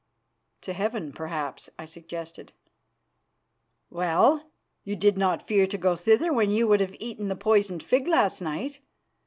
"To heaven, perhaps," I suggested. "Well, you did not fear to go thither when you would have eaten the poisoned fig last night.